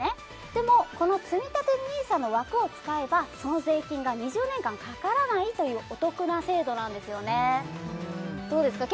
でもこのつみたてＮＩＳＡの枠を使えばその税金が２０年間かからないというお得な制度なんですよねどうですか？